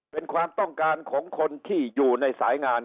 เป็นความต้องการของคนที่อยู่ในสายงาน